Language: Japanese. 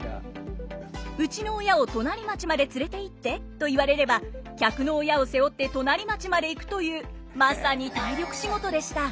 「うちの親を隣町まで連れていって」と言われれば客の親を背負って隣町まで行くというまさに体力仕事でした。